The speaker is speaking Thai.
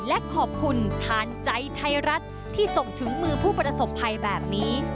และขอบคุณทานใจไทยรัฐที่ส่งถึงมือผู้ประสบภัยแบบนี้